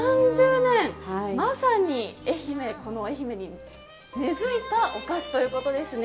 まさにこの愛媛に根付いたお菓子ということですね。